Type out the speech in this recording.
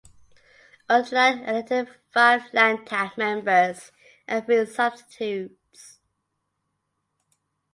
Unterland elected five Landtag members and three substitutes.